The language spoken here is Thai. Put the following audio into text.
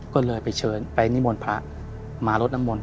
ก็เลยไปเชิญไปนิมนต์พระมารดน้ำมนต